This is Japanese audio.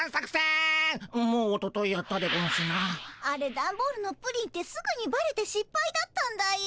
あれだんボールのプリンってすぐにばれてしっぱいだったんだよ。